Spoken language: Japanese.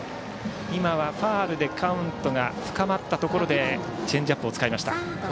今はファウルでカウントが深まったところでチェンジアップを使いました。